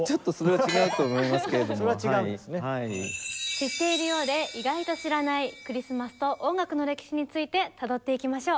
知っているようで意外と知らないクリスマスと音楽の歴史についてたどっていきましょう。